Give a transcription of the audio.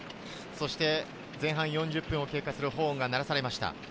前半４０分を経過するホーンが鳴らされました。